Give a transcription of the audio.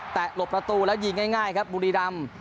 หลบประตูแล้วยิงง่ายครับบุรีรำ